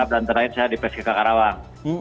dan terakhir saya di persikap karawang